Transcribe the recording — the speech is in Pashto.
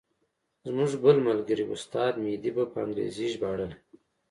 زموږ بل ملګري استاد مهدي به په انګریزي ژباړله.